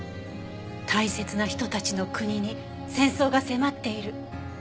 大切な人たちの国に戦争が迫っている。